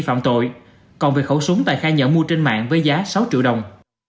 phạm tội còn về khẩu súng tài khai nhận mua trên mạng với giá sáu triệu đồng